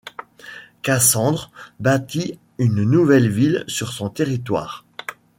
Cassandre bâtit une nouvelle ville sur son territoire.